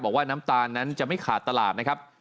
น้ำตาลนั้นจะไม่ขาดตลาดนะครับ